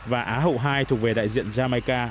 và á hậu hai thuộc về đại diện jamaica